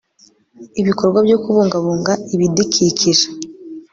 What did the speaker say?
IBIKORWA BYO KUBUNGABUNGA ibidikikije